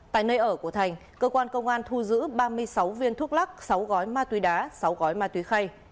tại nơi ở của thành cơ quan công an thu giữ ba mươi sáu viên thuốc lắc sáu gói ma túy đá sáu gói ma túy khay